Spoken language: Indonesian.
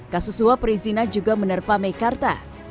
kasus suap perizinan juga menerpa meikarta